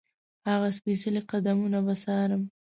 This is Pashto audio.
هغه سپېڅلي قدمونه به څارم.